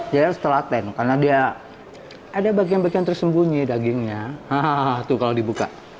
ya setelah ten karena dia ada bagian bagian tersembunyi dagingnya hahaha tuh kalau dibuka